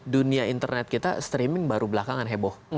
dunia internet kita streaming baru belakangan heboh